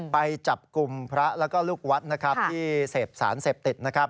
ไปจับกลุ่มพระและลูกวัดที่เสพสารเสพติด